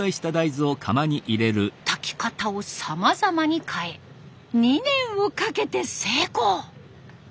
炊き方をさまざまに変え２年をかけて成功。